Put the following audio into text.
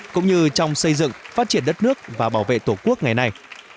cũng như trong xây dựng phát triển đất nước và bảo vệ tổ quốc ngày nay